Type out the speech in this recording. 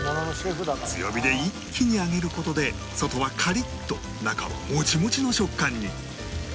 強火で一気に揚げる事で外はカリッと中はモチモチの食感に